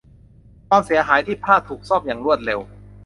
ความเสียหายที่ผ้าถูกซ่อมอย่างรวดเร็ว